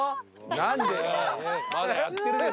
何でよ。